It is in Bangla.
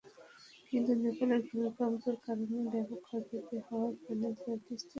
কিন্তু নেপালে ভূমিকম্পের কারণে ব্যাপক ক্ষয়ক্ষতি হওয়ায় ফাইনাল খেলাটি স্থগিত করা হয়।